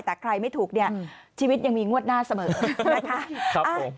แต่ใครไม่ถูกชีวิตยังมีงวดหน้าเสมอนะคะ